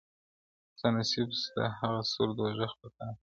ستا نصیب ته هغه سور دوږخ په کار دئ!!